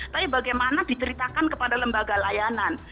tapi bagaimana diceritakan kepada lembaga layanan